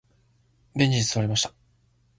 ベンチに座りました。